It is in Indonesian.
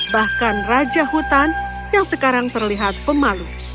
bahkan raja hutan yang sekarang terlihat pemalu